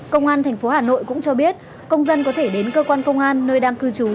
công an thành phố hà nội cũng cho biết công dân có thể đến cơ quan công an nơi đam cư trú